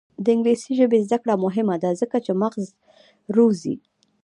د انګلیسي ژبې زده کړه مهمه ده ځکه چې مغز روزي.